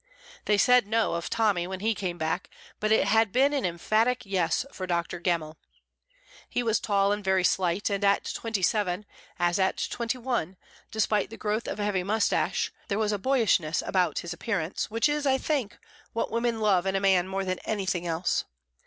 They said No of Tommy when he came back, but it had been an emphatic Yes for Dr. Gemmell. He was tall and very slight, and at twenty seven, as at twenty one, despite the growth of a heavy moustache, there was a boyishness about his appearance, which is, I think, what women love in a man more than anything else.